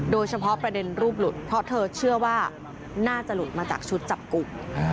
โดยเฉพาะประเด็นรูปหลุดเพราะเธอเชื่อว่าน่าจะหลุดมาจากชุดจับกลุ่ม